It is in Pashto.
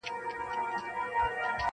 منت واخله، ولي منت مکوه -